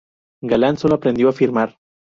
Galán sólo aprendió a firmar.